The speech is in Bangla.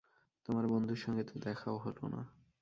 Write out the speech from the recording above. তোমার বন্ধুর সঙ্গে তো দেখাও হলো না।